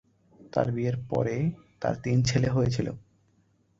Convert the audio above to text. তার বিয়ের পরে তার তিন ছেলে হয়েছিল।